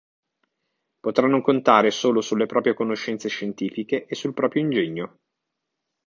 Potranno contare solo sulle proprie conoscenze scientifiche e sul proprio ingegno.